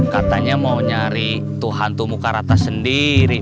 katanya mau nyari tuh hantu bukarata sendiri